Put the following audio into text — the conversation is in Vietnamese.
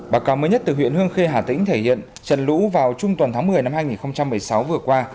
báo cáo mới nhất từ huyện hương khê hà tĩnh thể hiện trận lũ vào trung tuần tháng một mươi năm hai nghìn một mươi sáu vừa qua